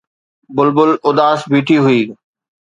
بلبل اداس بيٺي هئي